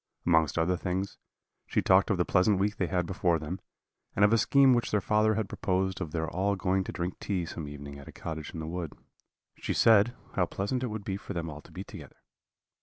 Amongst other things, she talked of the pleasant week they had before them, and of a scheme which their father had proposed of their all going to drink tea some evening at a cottage in the wood; she said, how pleasant it would be for them all to be together.